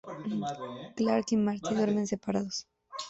Clark y Marty duermen separados.